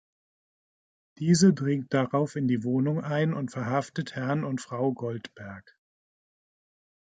Diese dringt darauf in die Wohnung ein und verhaftet Herrn und Frau Goldberg.